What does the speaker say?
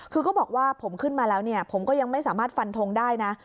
คือก็บอกว่าผมขึ้นมาแล้วเนี่ยผมก็ยังไม่สามารถฟันทงได้นะ